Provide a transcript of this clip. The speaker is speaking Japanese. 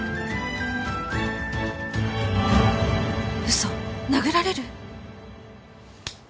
嘘殴られる！？